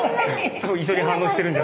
多分一緒に反応してるんじゃ。